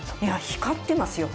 光ってますよ